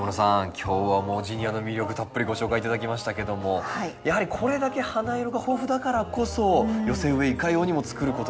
今日はジニアの魅力たっぷりご紹介頂きましたけどもやはりこれだけ花色が豊富だからこそ寄せ植えいかようにも作ることができるんですね。